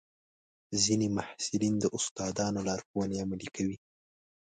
ځینې محصلین د استادانو لارښوونې عملي کوي.